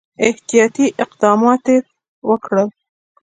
احتیاطي اقدمات وکړل.